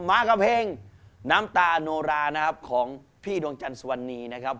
มากับเพลงน้ำตาโนรานะครับของพี่ดวงจันทร์สุวรรณีนะครับ